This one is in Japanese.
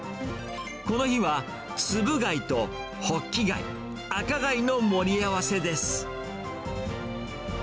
この日はツブ貝とホッキ貝、赤貝の盛り合わせです。